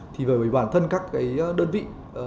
thì bởi bản thân các đơn vị